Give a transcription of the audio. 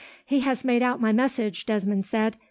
"He has made out my message," Desmond said.